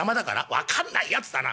「分かんないやつだな。